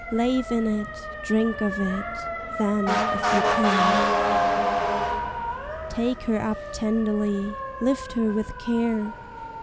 Lave in it, drink of it, Then, if you can! Take her up tenderly, Lift her with care!